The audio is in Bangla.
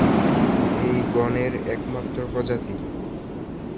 এই গণের একমাত্র প্রজাতি।